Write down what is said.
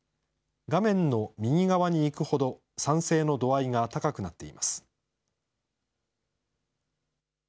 画面の右側にいくほど、賛成の度合いが高くなっています。